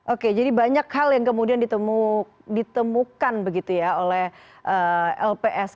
oke jadi banyak hal yang kemudian ditemukan begitu ya oleh lpsk